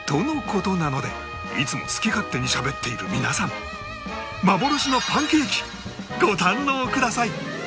事なのでいつも好き勝手にしゃべっている皆さん幻のパンケーキご堪能ください！